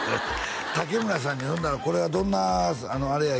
竹村さんにほんなら「これはどんなあれや？」